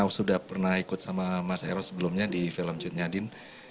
karena sudah pernah ikut sama mas ero sebelumnya di film cud nyadin